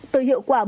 từ hiệu quả bất kỳ